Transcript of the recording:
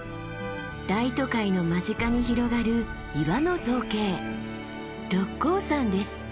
大都会の間近に広がる岩の造形六甲山です。